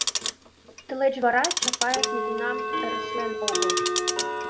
Тылеч вара Чапаев нигунам ыреслен огыл...